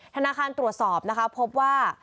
ธนาคารตรวจสอบนะคะพบว่า